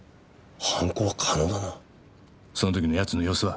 その時の奴の様子は？